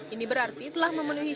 ini berarti telah memenuhi